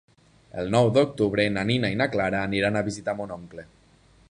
El nou d'octubre na Nina i na Clara aniran a visitar mon oncle.